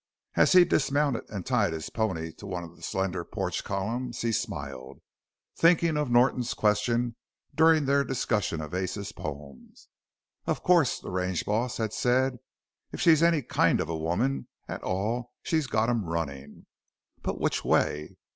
As he dismounted and tied his pony to one of the slender porch columns he smiled thinking of Norton's question during their discussion of Ace's poem. "Of course" the range boss had said "if she's any kind of a woman at all she's got him runnin'. But which way?"